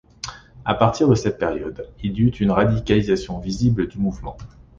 À partir de cette période, il y eut une radicalisation visible du mouvement.